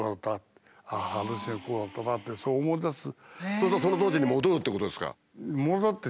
そうするとそうするとその当時に戻るってことですか？